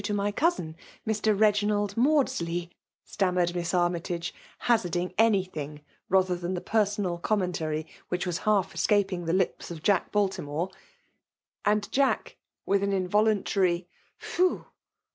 175 to mj coumi^ Mr. Beginald MandBley,*' trtam mered Miss Armytage^ bazarding Bnythiiig rather than the personal commentary which wtts half escaping the lips of Jack Baltimore ; and Jack^ with an involuntary " Whew